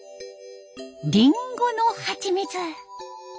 りんごのはちみつ。